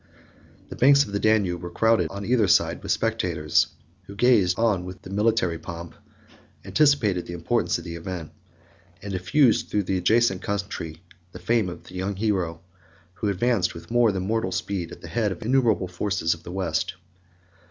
The banks of the Danube were crowded on either side with spectators, who gazed on the military pomp, anticipated the importance of the event, and diffused through the adjacent country the fame of a young hero, who advanced with more than mortal speed at the head of the innumerable forces of the West.